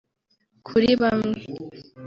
Kuri bamwe